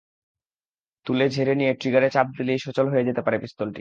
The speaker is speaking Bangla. তুলে, ঝেড়ে নিয়ে ট্রিগারে চাপ দিলেই সচল হয়ে যেতে পারে পিস্তলটি।